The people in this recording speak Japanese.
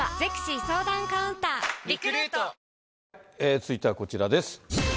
続いてはこちらです。